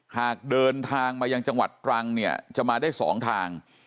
หากเดินทางมายังจังหวัดตรังเนี่ยจะมาได้๒ทาง